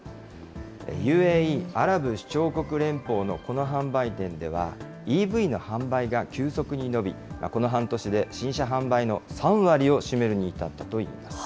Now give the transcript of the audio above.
ＵＡＥ・アラブ首長国連邦のこの販売店では、ＥＶの販売が急速に伸び、この半年で新車販売の３割を占めるに至ったといいます。